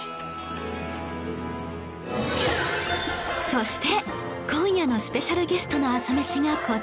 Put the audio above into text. そして今夜のスペシャルゲストの朝メシがこちら